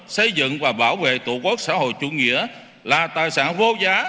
xây dựng và bảo vệ tổ quốc xã hội chủ nghĩa là tài sản vô giá